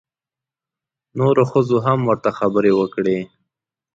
نورو ښځو هم ورته خبرې وکړې.